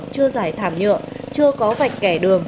chưa giải thảm nhựa chưa có vạch kẻ đường